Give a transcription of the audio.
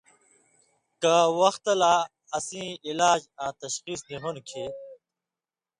کہ وختہ لا اسیں علاج آں تشخیص نی ہُون٘دیۡ کھیں